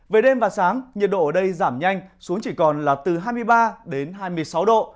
về đêm và sáng nhiệt độ ở đây giảm nhanh xuống chỉ còn là từ hai mươi ba đến hai mươi sáu độ